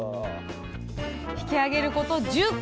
引きあげること１０個目。